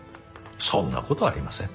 そんな事ありません。